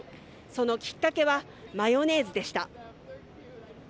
そのきっかけはマヨネーズでした。